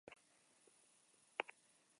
Errealitatearen irudia da, besterik gabe.